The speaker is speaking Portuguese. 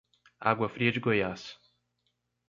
Água Fria de Goiás